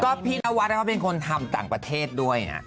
ก็พี่นวัดเขาเป็นคนทำต่างประเทศด้วยนะ